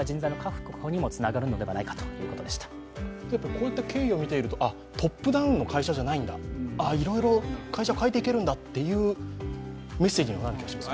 こういった経緯を見ていると、あトップダウンの会社じゃないんだいろいろ会社を変えていけるんだというメッセージにもなります。